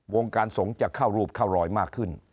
วงการสงฆ์จะเข้ารูปเข้ารอยมากขึ้น